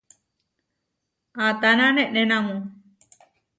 ¿Atána neʼnénamu?